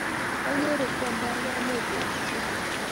Ang'eren kwanda ak kamet eng' icheke